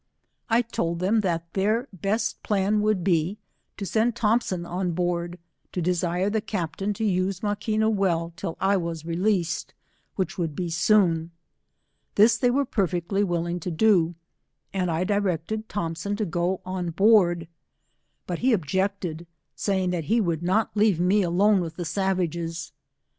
I told them that their best plaa would be, to send TlifcnpsoQ on hoard, to desire the captain to use Maquina well till I was released, which would be soon. This they were perfectly willing to do, and I directed Thompson to go qii board. But he objected, saying that he would not leave me alone with the savages.